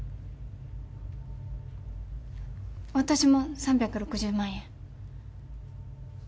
私も３６０万円。